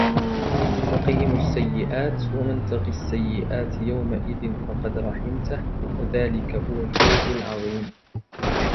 وقهم السيئات ومن تق السيئات يومئذ فقد رحمته وذلك هو الفوز العظيم